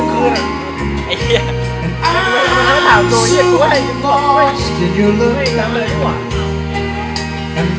เคยลืมคืน